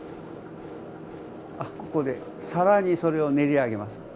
あここで更にそれを練り上げます。